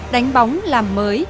đánh bóng làm mới